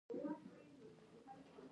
همدې سيلانۍ د سيمې د خلکو ژوند غوړولی.